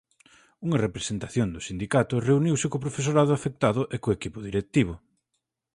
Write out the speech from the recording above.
Unha representación do sindicato reuniuse co profesorado afectado e co equipo directivo.